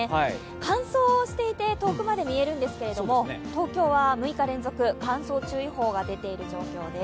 乾燥していて遠くまで見えるんですけど東京は６日連続乾燥注意報が出ている状況です。